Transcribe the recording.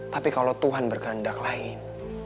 tapi kalau tuhan berkendak lain